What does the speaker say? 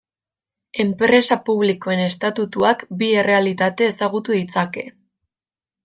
Enpresa publikoen estatutuak bi errealitate ezagutu ditzake.